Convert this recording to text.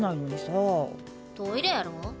トイレやろ？